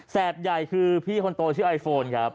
ใหญ่คือพี่คนโตชื่อไอโฟนครับ